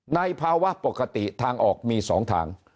ในภาวะปกติทางออกมี๒ทาง